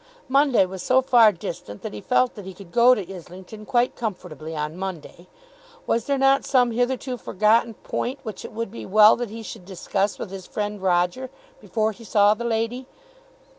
Monday was so far distant that he felt that he could go to Islington quite comfortably on Monday. Was there not some hitherto forgotten point which it would be well that he should discuss with his friend Roger before he saw the lady?